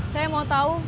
saya mau tahu